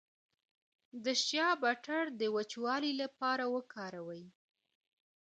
د شیا بټر د وچوالي لپاره وکاروئ